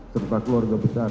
serta keluarga besar